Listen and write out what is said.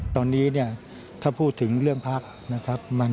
ตอนนี้ถ้าพูดถึงเรื่องพัก